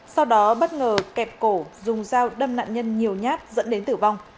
sau đó bất ngờ kẹp cổ dung giao đâm nạn nhân nhiều nhát dẫn đến tử vong